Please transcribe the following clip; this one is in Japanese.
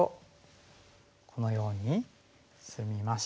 このように進みまして。